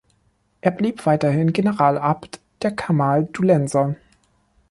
Er blieb weiterhin Generalabt der Kamaldulenser.